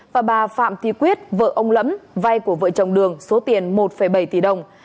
và bà phạm thi quyết vợ ông lẫm vai của vợ chồng đường số tiền một bảy tỷ đồng